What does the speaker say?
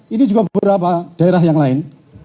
ini juga beberapa daerah yang lain